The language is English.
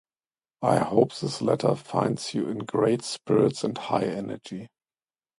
I hope this letter finds you in great spirits and high energy.